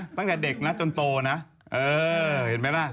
หลั้นแต่เด็กนะจนโตนะเออเห็นไม่เปล่า